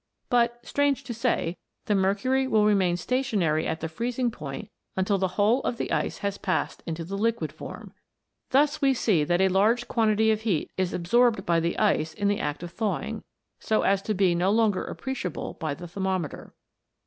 But, strange to say, the mercury will remain stationary at the freezing point until the whole of the ice has passed into the liquid form. Thus we see that a large quantity of heat is absorbed by the ice in the act of thawing, so as to be no longer appreciable by the thermometer.